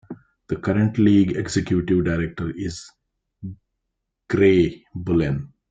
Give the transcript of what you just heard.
The current league Executive Director is Grey Bullen.